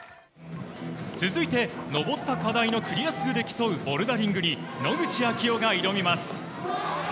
続いて登った課題のクリア数で競うボルダリングに野口啓代が挑みます。